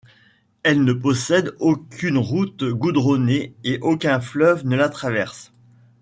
Elle ne possède aucune route goudronnée et aucun fleuve ne la traverse.